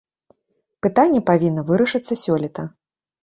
Пытанне павінна вырашыцца сёлета.